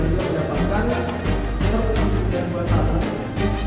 itu terpaksa di atas orang ini